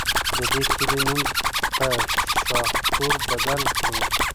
د دې کلي نوم پۀ شاهپور بدل کړو